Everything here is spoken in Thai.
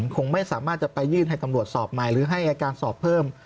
คงไม่สามารถจะไปยื่นให้ตำรวจสอบใหม่หรือให้อายการสอบเพิ่ม